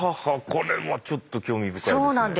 これはちょっと興味深いですね。